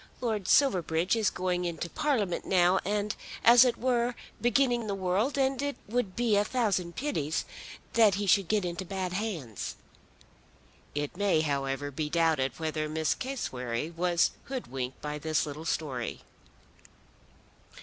Lord Silverbridge is going into Parliament now, and, as it were, beginning the world, and it would be a thousand pities that he should get into bad hands." It may, however, be doubted whether Miss Cassewary was hoodwinked by this little story.